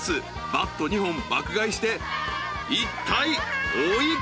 バット２本爆買いしていったいお幾ら？］